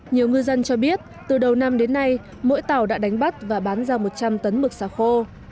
nhiều ngư dân cho biết từ đầu năm đến nay mỗi tàu đã đánh bắt và bán ra một trăm linh tấn mực xà khô